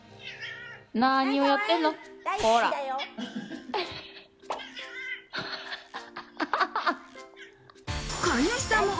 何をやってんの？